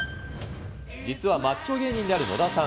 実はマッチョ芸人である野田さん。